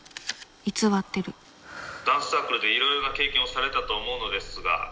偽ってる「ダンスサークルでいろいろな経験をされたと思うのですが」。